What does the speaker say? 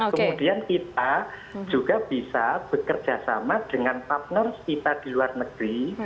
kemudian kita juga bisa bekerja sama dengan partners kita di luar negeri